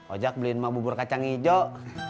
ojak beliin mak bubur kacang hijau